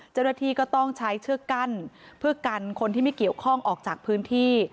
เจ้าหน้าที่ก็ต้องใช้เชือกกั้นเพื่อกันคนที่ไม่เกี่ยวข้องออกจากพื้นที่